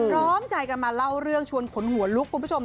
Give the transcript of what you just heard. พร้อมใจกันมาเล่าเรื่องชวนขนหัวลุกคุณผู้ชม